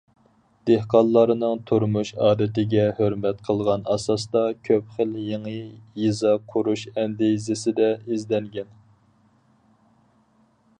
دېھقانلارنىڭ تۇرمۇش ئادىتىگە ھۆرمەت قىلغان ئاساستا، كۆپ خىل يېڭى يېزا قۇرۇش ئەندىزىسىدە ئىزدەنگەن.